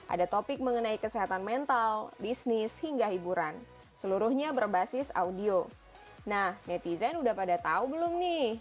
ada topik mengenai kesehatan mental bisnis dan kepentingan